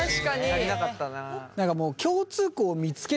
足りなかったなあ。